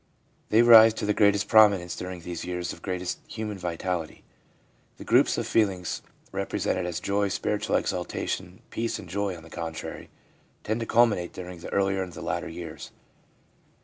They rise to the greatest prominence during these years of greatest human vitality. The groups of feelings represented as joy, spiritual exaltation and peace, on the contrary, tend to culminate during the earlier and the later years.